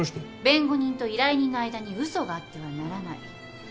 弁護人と依頼人の間に嘘があってはならない。